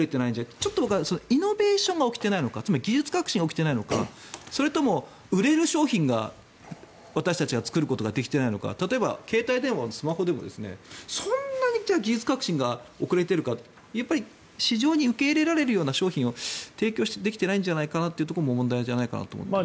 ちょっと僕はイノベーションが起きていないのかつまり技術革新が起きていないのかそれとも売れる商品を私たちが作ることができていないのか例えば、携帯電話やスマホでもそんなに技術革新が遅れているかというと市場に受け入れられるような商品を提供できてないんじゃないかなということも問題じゃないかなと思うんですよね。